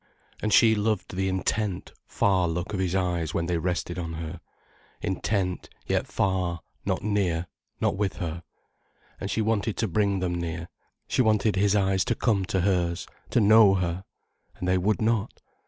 And she loved the intent, far look of his eyes when they rested on her: intent, yet far, not near, not with her. And she wanted to bring them near. She wanted his eyes to come to hers, to know her. And they would not.